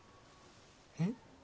えっ？